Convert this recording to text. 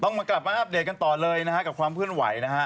มากลับมาอัปเดตกันต่อเลยนะฮะกับความเคลื่อนไหวนะฮะ